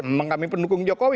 memang kami pendukung jokowi